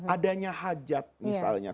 adanya hajat misalnya